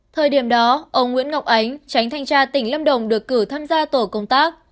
thời điểm đó ông nguyễn ngọc ánh tránh thanh tra tỉnh lâm đồng được cử tham gia tổ công tác